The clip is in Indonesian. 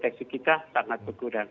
deteksi kita sangat berkurang